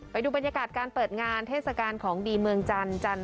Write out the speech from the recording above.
ไปดูบรรยากาศการเปิดงานเทศกาลของดีเมืองจันทร์